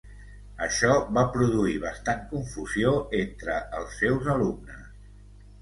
Això va produir bastant confusió entre els seus alumnes.